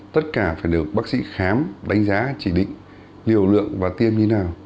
tất cả phải được bác sĩ khám đánh giá chỉ định liều lượng và tiêm như nào